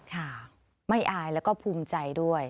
ค่ะไม่อายแล้วก็ภูมิใจด้วย